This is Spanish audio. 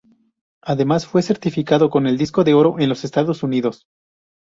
Además fue certificado con el disco de oro en los Estados Unidos.